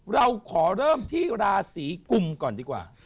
เราขอเริ่มที่ราศีกุมก่อนดีกว่า